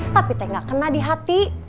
tapi teh gak kena di hati